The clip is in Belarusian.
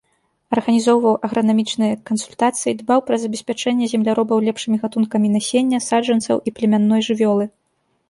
Арганізоўваў агранамічныя кансультацыі, дбаў пра забеспячэнне земляробаў лепшымі гатункамі насення, саджанцаў і племянной жывёлы.